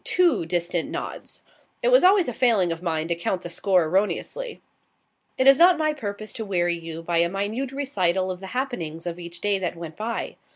Two distant nods. It was always a failing of mine to count the score erroneously. It is not my purpose to weary you by a minute recital of the happenings of each day that went by.